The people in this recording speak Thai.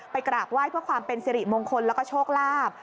กราบไหว้เพื่อความเป็นสิริมงคลแล้วก็โชคลาภ